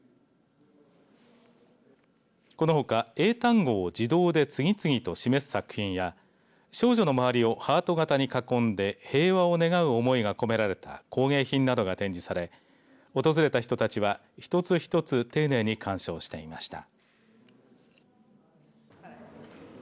このほか英単語を自動で次々と示す作品や少女の周りをハート型に囲んで平和を願う思いが込められた工芸品などが展示され訪れた人たちは一つ一つ丁寧に鑑賞していました。